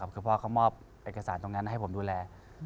คือพ่อเขามอบเอกสารตรงนั้นให้ผมดูแล